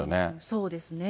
そうですね。